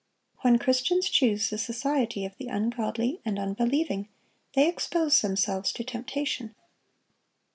When Christians choose the society of the ungodly and unbelieving, they expose themselves to temptation.